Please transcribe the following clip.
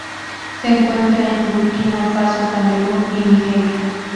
Se encuentra en Burkina Faso, Camerún y Nigeria.